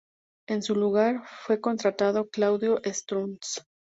En su lugar, fue contratado Claudio Strunz.